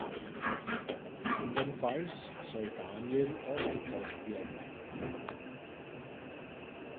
Andernfalls soll Daniel ausgetauscht werden.